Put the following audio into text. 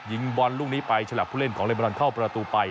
ยิงบอลลูกนี้ไปฉลับผู้เล่นของเลเบอร์อนเข้าประตูไป